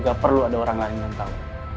gak perlu ada orang lain yang tahu